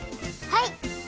はい。